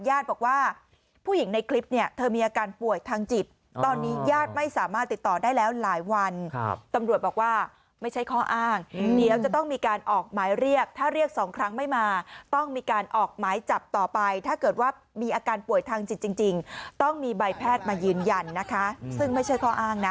ญาติบอกว่าผู้หญิงในคลิปเนี่ยเธอมีอาการป่วยทางจิตตอนนี้ญาติไม่สามารถติดต่อได้แล้วหลายวันตำรวจบอกว่าไม่ใช่ข้ออ้างเดี๋ยวจะต้องมีการออกหมายเรียกถ้าเรียกสองครั้งไม่มาต้องมีการออกหมายจับต่อไปถ้าเกิดว่ามีอาการป่วยทางจิตจริงต้องมีใบแพทย์มายืนยันนะคะซึ่งไม่ใช่ข้ออ้างนะ